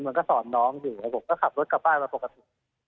มันก็สอนน้องอยู่ผมก็ขับรถกลับบ้านมาปกติ